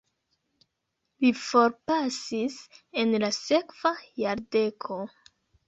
Li forpasis en la sekva jardeko.